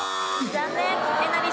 残念。